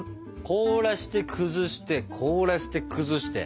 凍らして崩して凍らして崩して。